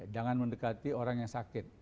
jangan mendekati orang yang sakit